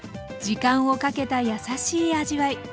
時間をかけたやさしい味わい。